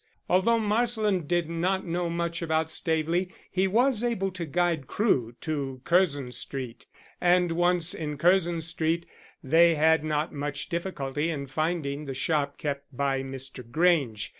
Although Marsland did not know much about Staveley he was able to guide Crewe to Curzon Street, and once in Curzon Street they had not much difficulty in finding the shop kept by Mr. Grange.